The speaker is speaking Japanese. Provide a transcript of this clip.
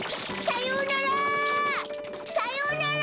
さようなら！